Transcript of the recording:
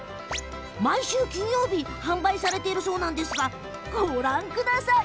毎週金曜日販売されているそうなんですがご覧ください。